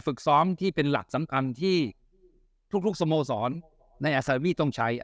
ฝึกซ้อมที่เป็นหลักสำคัญที่ทุกสโมสรในอาซาวีต้องใช้